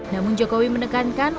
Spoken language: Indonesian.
namun jokowi menekankan